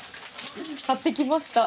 買ってきました。